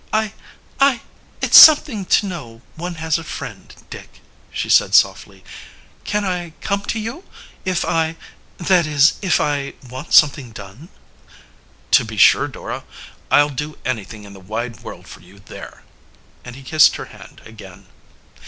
"I I ; it's something to know one has a friend, Dick," she said softly. "Can I come to you if I that is if I want something done?" "To be sure, Dora I'll do anything in the wide world for you there!" and he kissed her hand again.